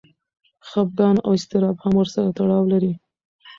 خپګان او اضطراب هم ورسره تړاو لري.